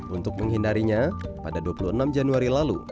untuk menghindarinya pada dua puluh enam januari lalu